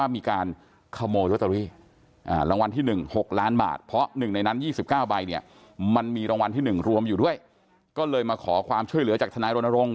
มันมีรางวัลที่๑รวมอยู่ด้วยก็เลยมาขอความช่วยเหลือจากทนายรณรงค์